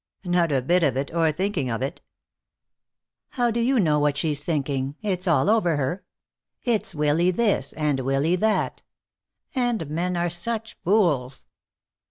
"Not a bit of it, or thinking of it." "How do you know what she's thinking? It's all over her. It's Willy this and Willy that and men are such fools."